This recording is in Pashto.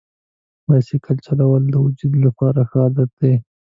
بایسکل چلول د وجود لپاره ښه عادت دی.